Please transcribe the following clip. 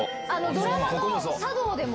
ドラマの『サ道』でも。